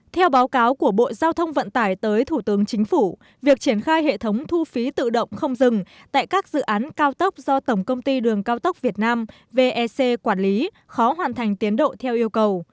theo báo cáo của bộ giao thông vận tải tới thủ tướng chính phủ việc triển khai hệ thống thu phí tự động không dừng tại các dự án cao tốc do tổng công ty đường cao tốc việt nam vec quản lý khó hoàn thành tiến độ theo yêu cầu